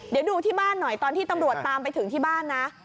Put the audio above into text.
เดี๋ยวดูที่บ้านหน่อยตอนที่ตำรวจตามไปถึงที่บ้านนะ